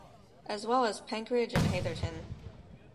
As well as Penkridge and Hatherton.